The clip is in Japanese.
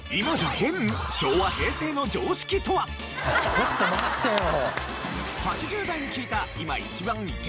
ちょっと待ってよ！